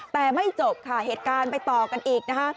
แต่ไม่จบเหตุการณ์ไปต่อกันอีก